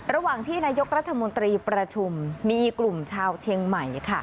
ระหว่างที่นายกรัฐมนตรีประชุมมีกลุ่มชาวเชียงใหม่ค่ะ